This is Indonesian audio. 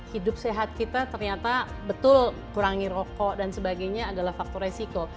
hidup sehat kita ternyata betul kurangi rokok dan sebagainya adalah faktor resiko